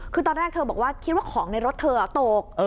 คือตอนแรกเธอบอกว่าคิดว่าของในรถเธอตก